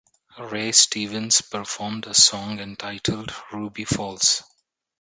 Ray Stevens performed a song entitled "Ruby Falls".